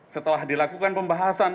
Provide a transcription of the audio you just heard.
setelah dilakukan pembahasan